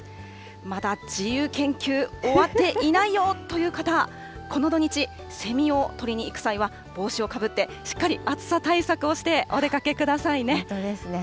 まだ自由研究、終わっていないよという方、この土日、セミを捕りに行く際は、帽子をかぶってしっかり暑さ対策をしてお本当ですね。